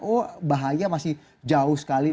oh bahaya masih jauh sekali